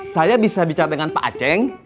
saya bisa bicara dengan pak aceh